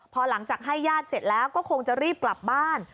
พอหลังจากให้ญาติเสร็จแล้วก็คงจะรีบกลับบ้าน